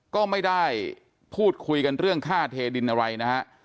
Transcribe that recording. ก็ไม่ได้พูดคุยกันเรื่องค่าเทดินอะไรนะฮะ